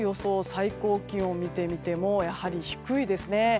最高気温を見てみてもやはり低いですね。